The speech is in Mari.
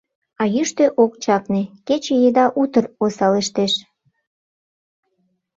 А йӱштӧ ок чакне, кече еда утыр осалештеш.